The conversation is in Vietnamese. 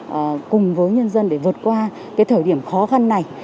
và cùng với nhân dân để vượt qua cái thời điểm khó khăn này